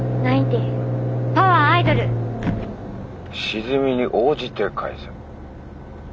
沈みに応じて返せ。